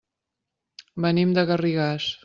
Venim de Garrigàs.